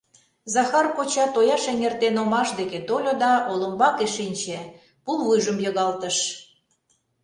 Захар коча тояш эҥертен, омаш дек тольо да олымбаке шинче, пулвуйжым йыгалтыш.